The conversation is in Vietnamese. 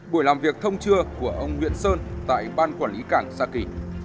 buổi làm việc thông trưa của ông nguyễn sơn tại ban quản lý cảng sa kỳ